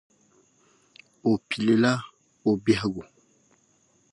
O pilila o biɛhigu.